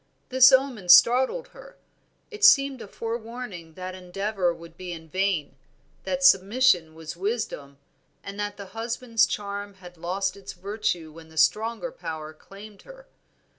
This omen startled her. It seemed a forewarning that endeavor would be vain, that submission was wisdom, and that the husband's charm had lost its virtue when the stronger power claimed her.